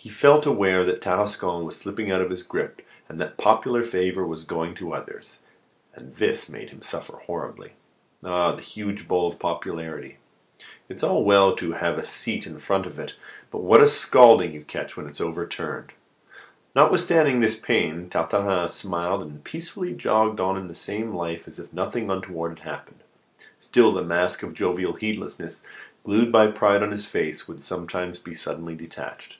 He felt aware that Tarascon was slipping out of his grip, and that popular favour was going to others; and this made him suffer horribly. Ah, the huge bowl of popularity! it's all very well to have a seat in front of it, but what a scalding you catch when it is overturned! Notwithstanding his pain, Tartarin smiled and peacefully jogged on in the same life as if nothing untoward had happened. Still, the mask of jovial heedlessness glued by pride on his face would sometimes be suddenly detached.